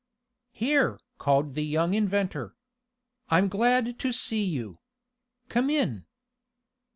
"Here!" called the young inventor. "I'm glad to see you! Come in!"